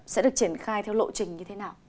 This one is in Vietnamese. sẽ được triển khai theo lộ trình như thế nào